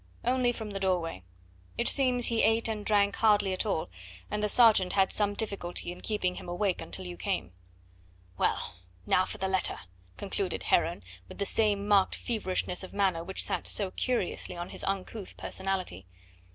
"Only from the doorway. It seems he ate and drank hardly at all, and the sergeant had some difficulty in keeping him awake until you came." "Well, now for the letter," concluded Heron with the same marked feverishness of manner which sat so curiously on his uncouth personality.